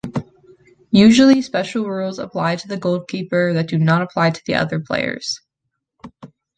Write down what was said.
Usually special rules apply to the goalkeeper that do not apply to other players.